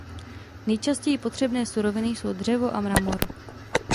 Nejčastěji potřebné suroviny jsou dřevo a mramor.